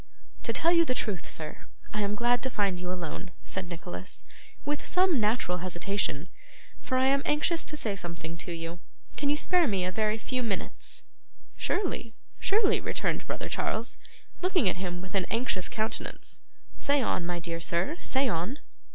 'To tell you the truth, sir, I am glad to find you alone,' said Nicholas, with some natural hesitation; 'for I am anxious to say something to you. Can you spare me a very few minutes?' 'Surely, surely,' returned brother Charles, looking at him with an anxious countenance. 'Say on, my dear sir, say on.